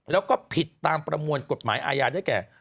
แล้วก็ผิดตามประมวลกฎหมายอาญาได้แก่